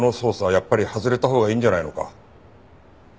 やっぱり外れたほうがいいんじゃないのか。